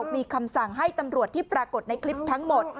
มีคำสั่งให้ตำรวจที่ปรากฏในคลิปทั้งหมด